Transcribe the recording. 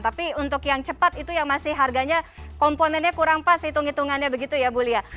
tapi untuk yang cepat itu yang masih harganya komponennya kurang pas hitung hitungannya begitu ya bu lia